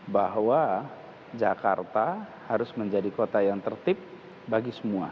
bahwa jakarta harus menjadi kota yang tertib bagi semua